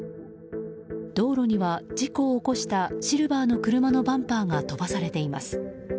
道路には事故を起こしたシルバーの車のバンパーが飛ばされています。